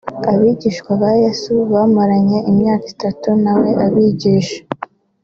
Abigishwa ba Yesu bamaranye imyaka itatu nawe abigisha